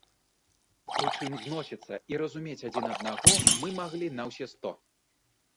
Прычым, зносіцца і разумець адзін аднаго мы маглі на ўсе сто.